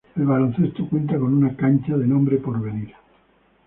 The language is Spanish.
El baloncesto cuenta con una cancha de nombre porvenir.